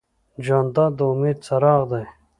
جانداد د امید څراغ دی.